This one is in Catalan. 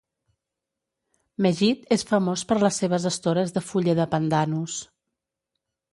Mejit és famós per les seves estores de fulla de pandanus.